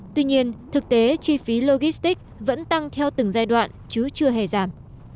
tuy nhiên thực tế chi phí logistics vẫn tăng theo từng giai đoạn chứ chưa hề giảm